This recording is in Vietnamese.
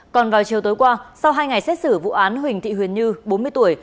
còn vào chiều tối qua sau hai ngày xét xử vụ án huỳnh thị huyền như bốn mươi tuổi